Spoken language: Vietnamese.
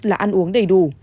là ăn uống đầy đủ